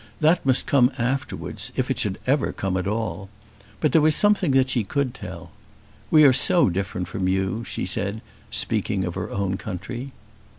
That must come afterwards if it should ever come at all. But there was something that she could tell. "We are so different from you," she said, speaking of her own country.